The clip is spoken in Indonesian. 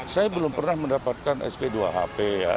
saya belum pernah mendapatkan sp dua hp ya